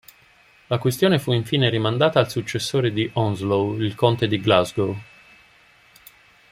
La questione fu infine rimandata al successore di Onslow, il conte di Glasgow.